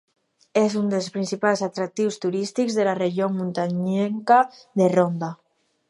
És un dels principals atractius turístics de la Regió muntanyenca de Ronda.